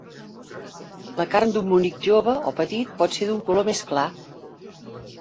La carn d'un bonic jove o petit pot ser d'un color més clar.